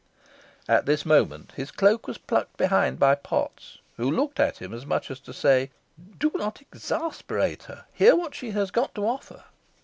At this moment his cloak was plucked behind by Potts, who looked at him as much as to say, "Do not exasperate her. Hear what she has got to offer."